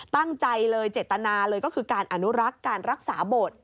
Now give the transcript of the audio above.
ตั้งใจเลยเจตนาเลยก็คือการอนุรักษ์การรักษาบท